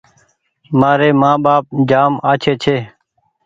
مآري مآن ٻآپ جآم آڇي ڇي